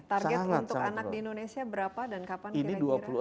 target untuk anak di indonesia berapa dan kapan kira kira